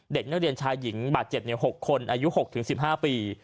เด็กนักเรียนชายหญิงบาดเจ็บ๖คนอายุ๖๑๕ปี